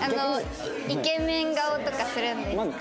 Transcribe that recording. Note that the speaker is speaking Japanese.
イケメン顔とかするんですか？